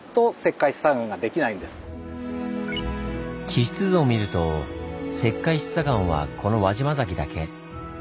地質図を見ると石灰質砂岩はこの輪島崎だけ。